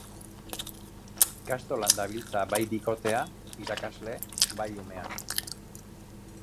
Ikastolan dabiltza bai bikotea, irakasle, bai umea.